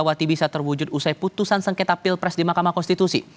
lalu bagaimana jika megawati bisa terwujud usai putusan sengketa pilpres di mahkamah konstitusi